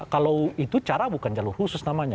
kalau itu cara bukan jalur khusus namanya